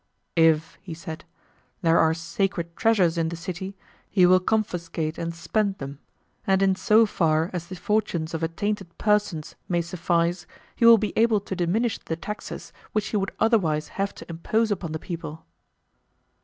If, he said, there are sacred treasures in the city, he will confiscate and spend them; and in so far as the fortunes of attainted persons may suffice, he will be able to diminish the taxes which he would otherwise have to impose upon the people.